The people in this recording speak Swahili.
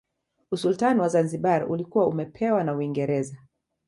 Usultani wa Zanzibar ulikuwa umepewa na Uingereza